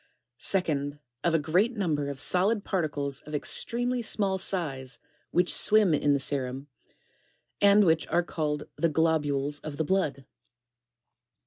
2nd Of a great number of solid particles of extremely small size which swim in the serum, and which are called the global, s of !ht blood.